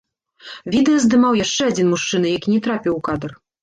Відэа здымаў яшчэ адзін мужчына, які не трапіў у кадр.